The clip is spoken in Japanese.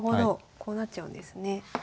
こうなっちゃうんですね。